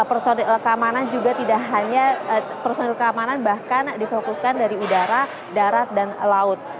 personil keamanan juga tidak hanya personil keamanan bahkan difokuskan dari udara darat dan laut